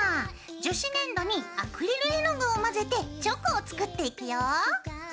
樹脂粘土にアクリル絵の具を混ぜてチョコを作っていくよ！